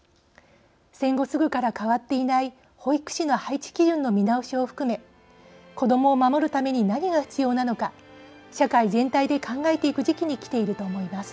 戦後すぐから変わっていない保育士の配置基準の見直しを含め子どもを守るために何が必要なのか社会全体で考えていく時期にきていると思います。